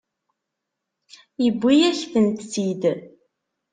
Tewwi-yakent-t-id.